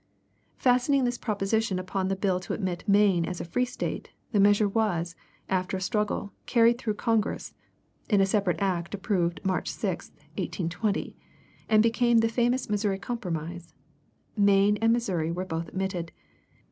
Fastening this proposition upon the bill to admit Maine as a free State, the measure was, after a struggle, carried through Congress (in a separate act approved March 6, 1820), and became the famous Missouri Compromise. Maine and Missouri were both admitted.